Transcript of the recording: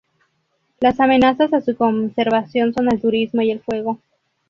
Las amenazas a su conservación son el turismo y el fuego.